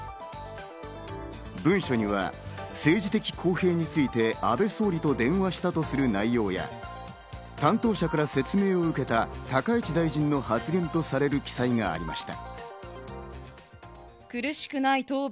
文書には政治的公平について安倍総理と電話したとする内容や、担当者から説明を受けた高市大臣の発言とされる記載がありました。